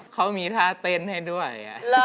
เขามีท่าเต้นให้ด้วย